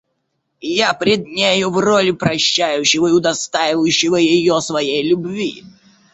Я пред нею в роли прощающего и удостоивающего ее своей любви!..